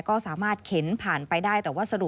ก็สามารถเข็นผ่านไปได้